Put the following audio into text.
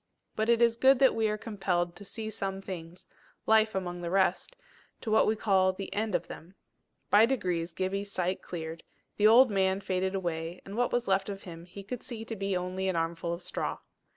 But it is good that we are compelled to see some things, life amongst the rest, to what we call the end of them. By degrees Gibbie's sight cleared; the old man faded away; and what was left of him he could see to be only an armful of straw.